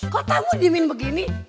kok tamu di minum begini